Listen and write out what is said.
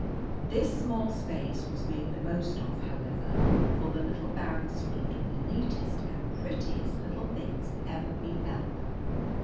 This small space was made the most of, however, for the little Baron's feet were the neatest and prettiest little things ever beheld.